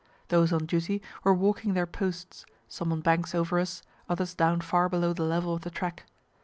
Those on duty were walking their posts, some on banks over us, others down far below the level of the track.